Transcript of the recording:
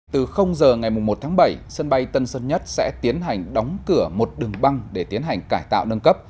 từ giờ ngày một tháng bảy sân bay tân sơn nhất sẽ tiến hành đóng cửa một đường băng để tiến hành cải tạo nâng cấp